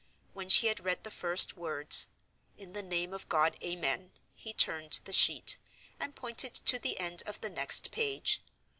When she had read the first words, "In the name of God, Amen," he turned the sheet, and pointed to the end of the next page.